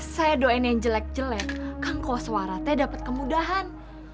saya doain yang jelek jelek kang kosuarate dapat kemudahan